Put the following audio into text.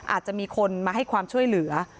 อาจจะมีคนมาให้ความช่วยเหลือ